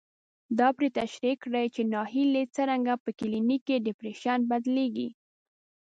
دا پرې تشرېح کړي چې ناهيلي څرنګه په کلينيکي ډېپريشن بدلېږي.